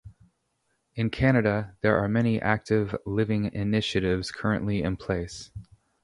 In Canada, there are many active living initiatives currently in place.